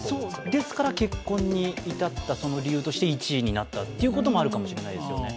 ですから結婚に至った理由として１位になったということもあるかもしれないですよね。